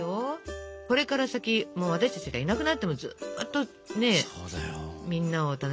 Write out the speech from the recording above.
これから先もう私たちがいなくなってもずっとみんなを楽しませていくわけだから。